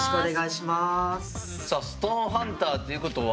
さあストーンハンターということは？